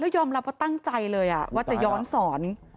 ยอมรับว่าตั้งใจเลยว่าจะย้อนสอน